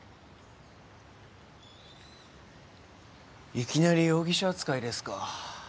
いきなり容疑者扱いですか。